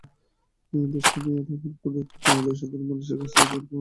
Destiny MLM পদ্ধতিতে সাধারণ মানুষের কাছ থেকে বিপুল অঙ্কের টাকা সংগ্রহ করে।